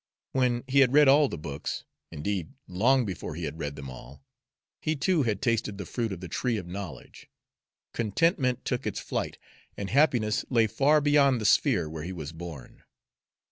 When he had read all the books, indeed, long before he had read them all, he too had tasted of the fruit of the Tree of Knowledge: contentment took its flight, and happiness lay far beyond the sphere where he was born.